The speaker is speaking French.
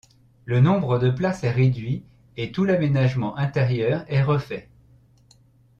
Le nombre de places est réduit et tout l'aménagement intérieur est refait.